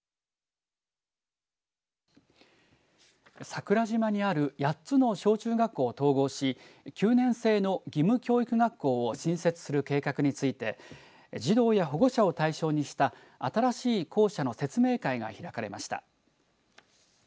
桜島にある８つの小中学校を統合し９年制の義務教育学校を新設する計画について児童や保護者を対象にした新しい校舎の説明会が開かれました。